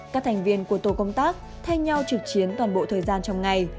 các thành viên của tổ công tác thay nhau trực chiến toàn bộ thời gian trong ngày